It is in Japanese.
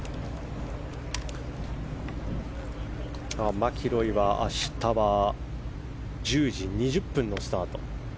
マキロイは明日は１０時２０分のスタート。